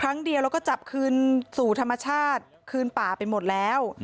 ครั้งเดียวแล้วก็จับคืนสู่ธรรมชาติคืนป่าไปหมดแล้ว